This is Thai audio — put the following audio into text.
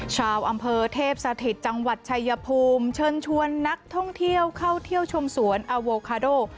ชาวอำเภอเทพสถิตจังหวัดชายภูมิเชิญชวนนักท่องเที่ยวเข้าเที่ยวชมสวนอโวคาโด